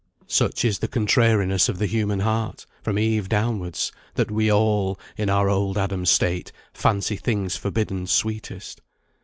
Such is the contrariness of the human heart, from Eve downwards, that we all, in our old Adam state, fancy things forbidden sweetest.